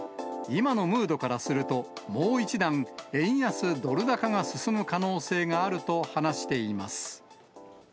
今のムードからすると、もう一段円安ドル高が進む可能性があると話しています。